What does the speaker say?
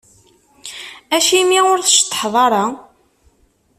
Acimi ur tceṭṭḥeḍ ara?